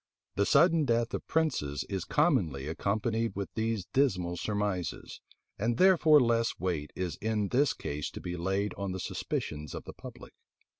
The sudden death of princes is commonly accompanied with these dismal surmises; and therefore less weight is in this case to be laid on the suspicions of the public.